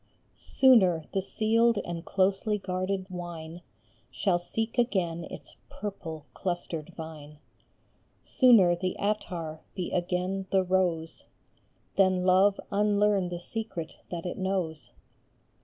Sooner the sealed and closely guarded wine Shall seek again its purple clustered vine, Sooner the attar be again the rose, Than Love unlearn the secret that it knows